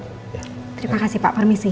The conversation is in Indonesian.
terima kasih pak permisi